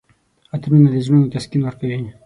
عطرونه د زړونو تسکین ورکوي.